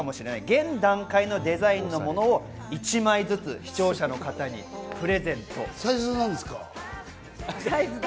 現段階のデザインのものを一枚ずつ視聴者の方にプレゼント。